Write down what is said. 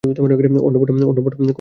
অন্নপূর্ণা কহিলেন, না, তুই আয়।